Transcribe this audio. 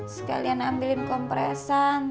sekalian ambilin kompresan